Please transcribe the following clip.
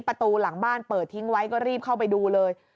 ประตูหลังบ้านเปิดทิ้งไว้ก็รีบเข้าไปดูเลย